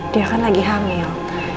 dia kan lagi hamil